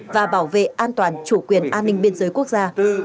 và bảo vệ an toàn chủ quyền an ninh biên giới quốc gia